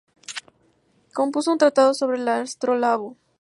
Compuso un "Tratado sobre el astrolabio".